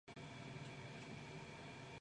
Bugs starts smacking the ball as promised.